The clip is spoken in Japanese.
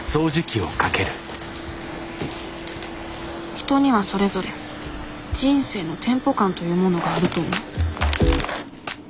人にはそれぞれ人生のテンポ感というものがあると思う